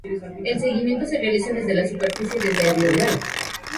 El seguimiento se realiza desde la superficie o desde aviones.